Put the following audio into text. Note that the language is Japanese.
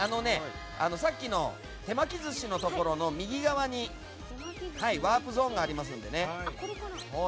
さっきの手巻き寿司のところの右側にワープゾーンがありますので。